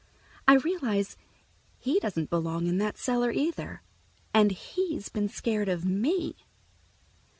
I realize he doesn't belong in that cellar either, and he's been scared of me.